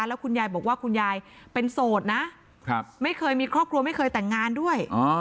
แล้วคุณยายบอกว่าคุณยายเป็นโสดนะไม่เคยมีครอบครัวไม่เคยแต่งงานด้วย